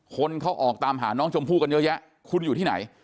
คนเขาออกตามหาน้องชมพู่กันเยอะแยะคุณอยู่ที่ไหน